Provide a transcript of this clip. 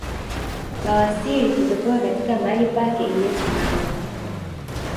Bawasiri kutotoka katika mahali pake iliyosimama